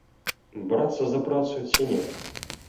Брацца за працу ці не?